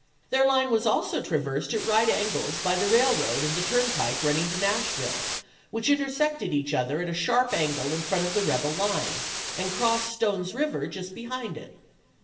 Their line was also traversed at right angles by the railroad and the turnpike running to Nashville, which intersected each other at a sharp angle in front of the rebel line, and crossed Stone's River just behind it.